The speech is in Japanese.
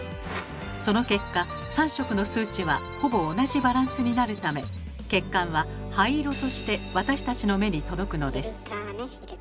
その結果３色の数値はほぼ同じバランスになるため血管は灰色として私たちの目に届くのです。